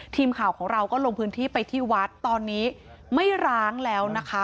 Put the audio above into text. ทีมข่าวของเราก็ลงพื้นที่ไปที่วัดตอนนี้ไม่ร้างแล้วนะคะ